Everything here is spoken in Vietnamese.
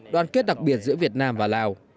đoàn kết đặc biệt giữa việt nam và lào